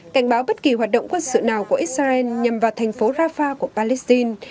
cảnh báo bất kỳ hoạt động quân sự nào của israel nhằm vào thành phố rafah của palestine